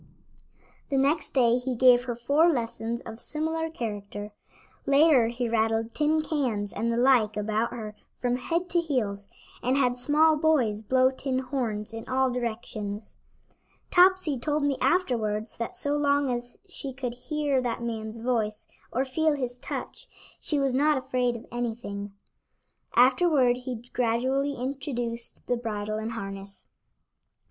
The next day he gave her four lessons of similar character. Later he rattled tin cans and the like about her from head to heels, and had small boys blow tin horns in all directions. Topsy told me afterwards that so long as she could hear that man's voice or feel his touch, she was not afraid of anything. Afterward he gradually introduced the bridle and harness.